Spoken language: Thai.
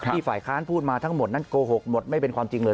ฝ่ายค้านพูดมาทั้งหมดนั้นโกหกหมดไม่เป็นความจริงเลย